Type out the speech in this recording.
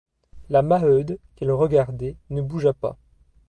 La Maheude, qu'il regardait, ne bougea pas.